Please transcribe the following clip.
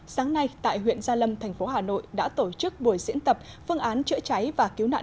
sáng nay tại huyện gia lâm thành phố hà nội đã tổ chức buổi diễn tập phương án chữa cháy và cứu nạn